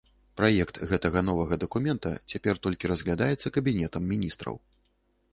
Праект гэтага новага дакумента цяпер толькі разглядаецца кабінетам міністраў.